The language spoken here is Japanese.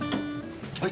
はい。